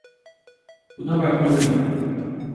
Buna bakmalıyım.